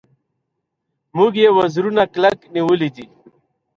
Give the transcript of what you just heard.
موږ یې وزرونه کلک نیولي دي.